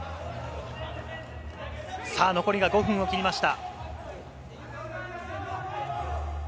残りが５分を切りました。